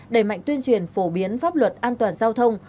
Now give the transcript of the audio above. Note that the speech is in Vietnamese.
đẩy mạnh tuyên truyền phổ biến pháp luật an toàn giao thông